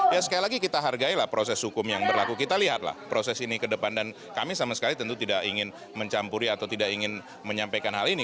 ya sekali lagi kita hargai lah proses hukum yang berlaku kita lihatlah proses ini ke depan dan kami sama sekali tentu tidak ingin mencampuri atau tidak ingin menyampaikan hal ini